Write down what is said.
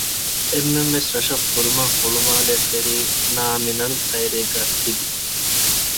އެންމެންވެސް ރަށަށް ފުރުމަށް ހުޅުމާލޭ ފެރީ ނާމިނަލް ކައިރީގައި ތިވި